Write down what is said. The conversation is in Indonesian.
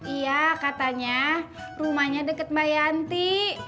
iya katanya rumahnya dekat mbak yanti